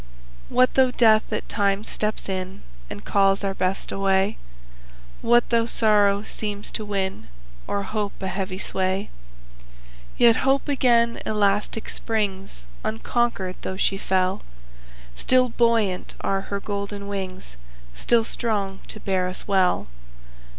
What though Death at times steps in, And calls our Best away? What though sorrow seems to win, O'er hope, a heavy sway? Yet Hope again elastic springs, Unconquered, though she fell; Still buoyant are her golden wings, Still strong to bear us well.